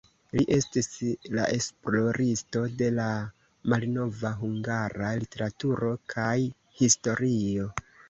Li estis la esploristo de la malnova hungara literaturo kaj historio.